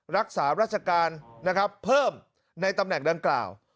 รักษาราชการนะครับเพิ่มในตำแหน่งดังกล่าว